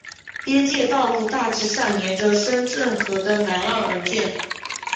边界道路大致上沿着深圳河的南岸而建。